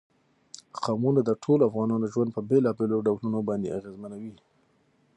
قومونه د ټولو افغانانو ژوند په بېلابېلو ډولونو باندې اغېزمنوي.